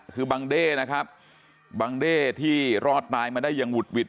คือบังเด้นะครับบังเด้ที่รอดตายมาได้อย่างหุดหวิด